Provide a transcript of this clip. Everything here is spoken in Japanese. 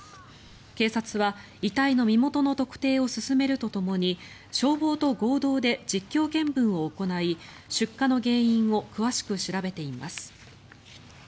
警察は、遺体の身元の特定を進めるとともに消防と合同で実況見分を行い出火の原因を詳しく調べています。